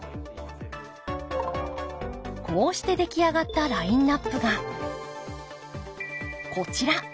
こうして出来上がったラインナップがこちら。